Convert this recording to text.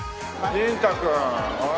ジンタ君。